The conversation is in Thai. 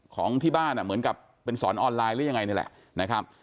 ของที่บ้านเหมือนกับเป็นสอนออนไลน์หรือยังไงนี่แหละนะครับ